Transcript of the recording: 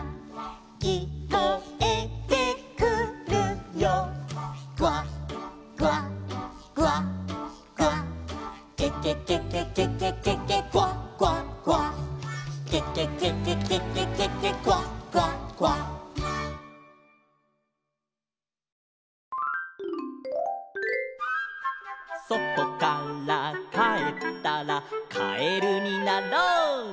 「きこえてくるよ」「クワクワクワクワ」「ケケケケケケケケクワクワクワ」「ケケケケケケケケクワクワクワ」「そとからかえったらカエルになろう」